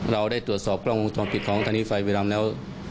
เราได้ตรวจสอบกล้องวงจรปิดของทางนี้ไฟบุรีรำแล้ว